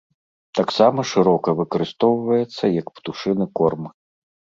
Таксама шырока выкарыстоўваецца як птушыны корм.